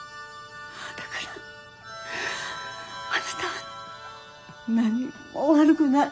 だからあなたは何も悪くない。